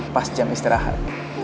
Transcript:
pas jam istirahat